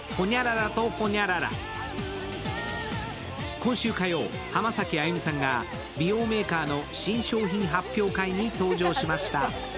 今週火曜、浜崎あゆみさんが美容メーカーの新商品発表会に登場しました。